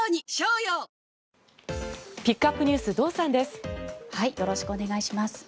よろしくお願いします。